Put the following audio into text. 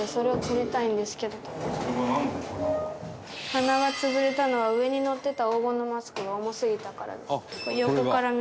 鼻が潰れたのは上にのってた黄金のマスクが重すぎたからです。